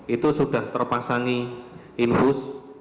itu sudah terpasangi infus